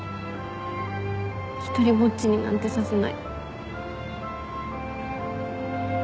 独りぼっちになんてさせない。